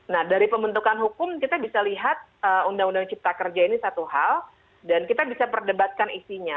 nah dari pembentukan hukum kita bisa lihat undang undang cipta kerja ini satu hal dan kita bisa perdebatkan isinya